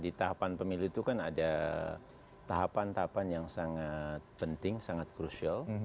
di tahapan pemilu itu kan ada tahapan tahapan yang sangat penting sangat crucial